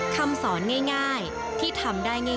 คำสอนง่ายที่ทำได้ง่าย